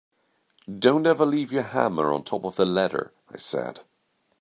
Don’t ever leave your hammer on the top of the ladder, I said.